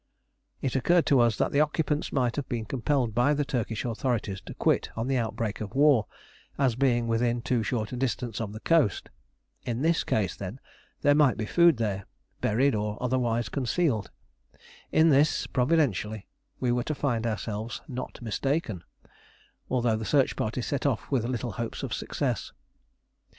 It occurred to us that the occupants might have been compelled by the Turkish authorities to quit on the outbreak of war, as being within too short a distance of the coast. In this case, then, there might be food there, buried or otherwise concealed. In this, providentially, we were to find ourselves not mistaken, although the search party set off with little hopes of success.